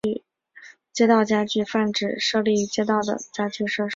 街道家具泛指所有设立于街道的家具设施。